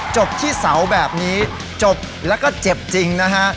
จบที่เสาแบบนี้จบแล้วก็เจ็บจริงนะฮะ